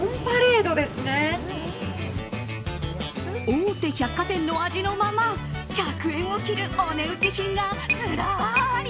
大手百貨店の味のまま１００円を切るお値打ち品がずらり。